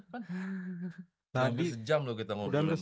udah gak sejam loh kita ngobrol ngobrol